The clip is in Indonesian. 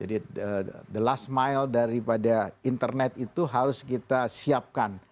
jadi the last mile daripada internet itu harus kita siapkan